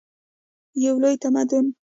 یو لوی تمدن.